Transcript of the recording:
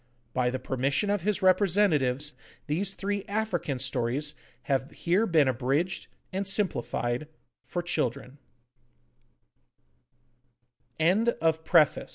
By the permission of his representatives these three African stories have here been abridged and simplified for childr